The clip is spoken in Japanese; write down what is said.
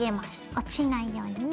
落ちないようにね。